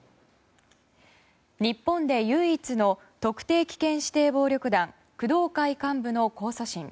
日本で唯一の特定危険指定暴力団工藤会幹部の控訴審。